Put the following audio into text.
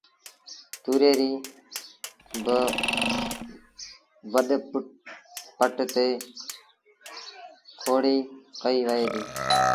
تُوريئي ريٚ با وڏُ پٽ تي کوڙيٚ ڪئيٚ وهي ديٚ